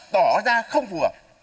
tỏa ra không phù hợp